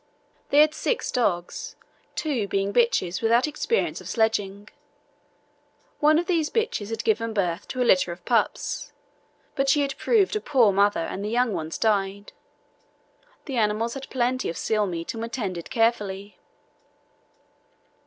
They had six dogs, two being bitches without experience of sledging. One of these bitches had given birth to a litter of pups, but she proved a poor mother and the young ones died. The animals had plenty of seal meat and were tended carefully.